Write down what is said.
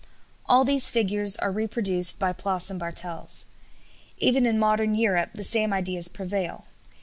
All these figures are reproduced by Ploss and Bartels. Even in modern Europe the same ideas prevail.